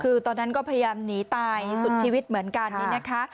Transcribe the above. คือตอนนั้นก็พยายามหนีตายสุดชีวิตเหมือนกันนี่นะคะ